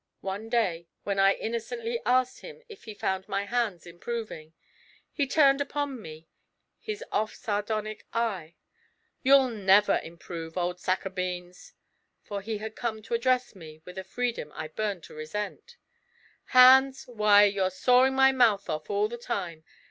One day when I innocently asked him if he found my hands improving, he turned upon me his off sardonic eye. 'You'll never improve, old sack of beans' (for he had come to address me with a freedom I burned to resent); 'hands! why, you're sawing my mouth off all the time.